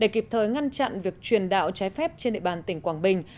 kịp thời ngăn chặn việc truyền đạo trái phép trên địa bàn tỉnh quảng bình